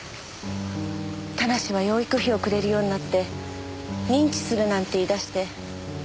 田無は養育費をくれるようになって認知するなんて言い出して。